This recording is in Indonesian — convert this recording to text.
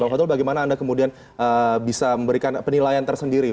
bang fatul bagaimana anda kemudian bisa memberikan penilaian tersendiri